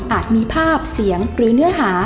มีภาพเสียงหรือเนื้อหา